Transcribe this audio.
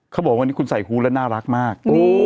เขาบอกวันนี้คุณใส่ฮูตแล้วน่ารักมาก